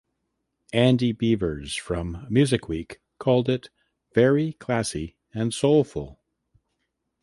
Andy Beevers from "Music Week" called it "very classy and soulful".